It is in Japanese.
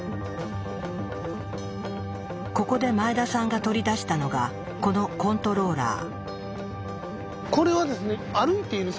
ここで前田さんが取り出したのがこのコントローラー。